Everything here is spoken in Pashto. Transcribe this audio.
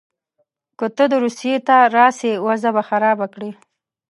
که ته روسیې ته راسې وضع به خرابه کړې.